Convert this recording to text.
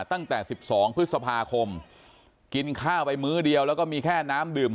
ตั้งแต่๑๒พฤษภาคมกินข้าวไปมื้อเดียวแล้วก็มีแค่น้ำดื่ม